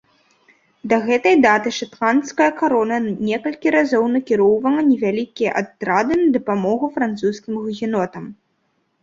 Да гэтай даты шатландская карона некалькі разоў накіроўвала невялікія атрады на дапамогу французскім гугенотам.